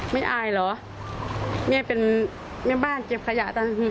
ไม่อายเหรอเมียเป็นเมียบ้านเก็บขยะต่าง